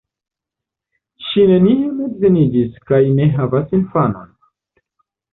Ŝi neniam edziniĝis kaj ne havas infanon.